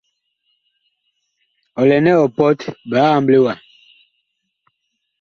Ɔ lɛ nɛ ɔ pɔt biig amble wa.